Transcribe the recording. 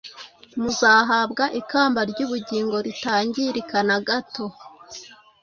muzahabwa ikamba ry’ubugingo ritangirika na gato